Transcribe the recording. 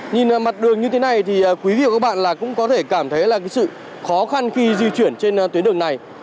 nhìn mặt đường như thế này thì quý vị và các bạn cũng có thể cảm thấy là sự khó khăn khi di chuyển trên tuyến đường này